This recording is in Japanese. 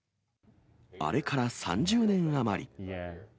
あれから３０年余り。